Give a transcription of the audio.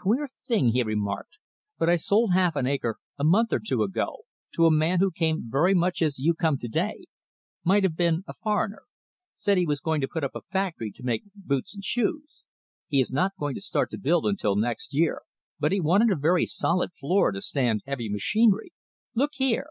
"Queer thing," he remarked, "but I sold half an acre, a month or two ago, to a man who came very much as you come to day. Might have been a foreigner. Said he was going to put up a factory to make boots and shoes. He is not going to start to build until next year, but he wanted a very solid floor to stand heavy machinery. Look here."